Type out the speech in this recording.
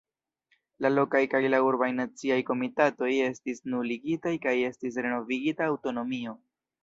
La lokaj kaj la urbaj naciaj komitatoj estis nuligitaj kaj estis renovigita aŭtonomio.